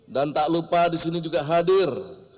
dan tak lupa disini juga hadir